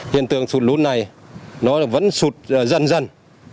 hiện tượng sụt lún này nó vẫn sụt dần